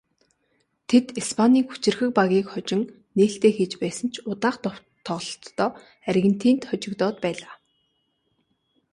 Тэд Испанийн хүчирхэг багийг хожин нээлтээ хийж байсан ч удаах тоглолтдоо Аргентинд хожигдоод байлаа.